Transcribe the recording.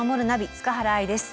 塚原愛です。